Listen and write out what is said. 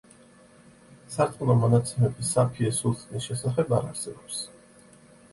სარწმუნო მონაცემები საფიე სულთნის შესახებ არ არსებობს.